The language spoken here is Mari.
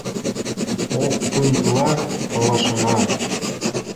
Опкынла толашена...